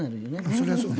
そりゃそうだ。